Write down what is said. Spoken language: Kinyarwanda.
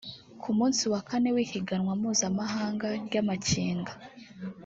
Ku munsi wa kane w'ihiganwa mpuzamahanga ry'amakinga